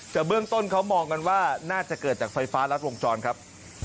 แต่เบื้องต้นเขามองกันว่าน่าจะเกิดจากไฟฟ้ารัดวงจรครับ